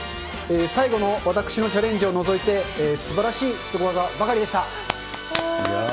最後の私のチャレンジを除いてすばらしいすご技ばかりでした。